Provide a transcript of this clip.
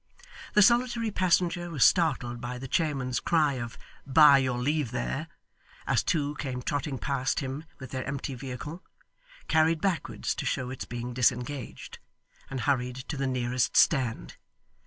The solitary passenger was startled by the chairmen's cry of 'By your leave there!' as two came trotting past him with their empty vehicle carried backwards to show its being disengaged and hurried to the nearest stand.